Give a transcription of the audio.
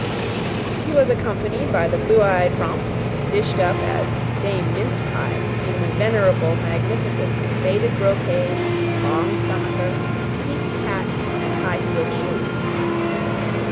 He was accompanied by the blue eyed romp, dished up as "Dame Mince Pie," in the venerable magnificence of faded brocade, long stomacher, peaked hat, and high heeled shoes.